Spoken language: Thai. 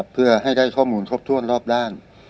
เพื่อให้ได้ข้อมูลครบถ้วนรอบด้าน